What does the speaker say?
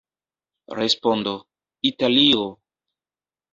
Respondo: Italio!